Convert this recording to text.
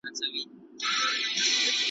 د خزان یا مني په موسم کي .